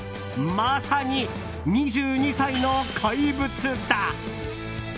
まさに２２歳の怪物だ。